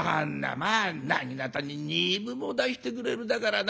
まあなぎなたに２分も出してくれるだからな。